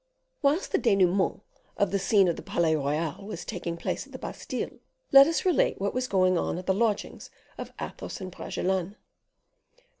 Whilst the denouement of the scene of the Palais Royal was taking place at the Bastile, let us relate what was going on at the lodgings of Athos and Bragelonne.